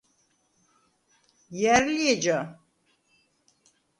ჲა̈რ ლი ეჯა?